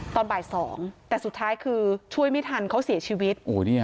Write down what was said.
ตอนบ่าย๒แต่สุดท้ายคือช่วยไม่ทันเขาเสียชีวิต